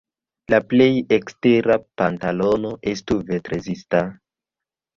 La plej ekstera pantalono estu ventrezista.